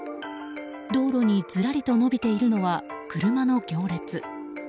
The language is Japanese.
道路にずらりと延びているのは車の行列。